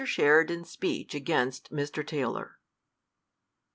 Sheridan's Speech against Mr. Taylor.